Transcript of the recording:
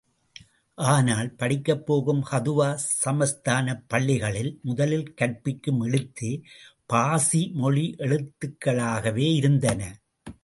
ஆனால், படிக்கப் போகும் ஹதுவா சமஸ்தானத்துப் பள்ளிகளில் முதலில் கற்பிக்கும் எழுத்தே பார்சி மொழி எழுத்துக்களாகவே இருந்தன.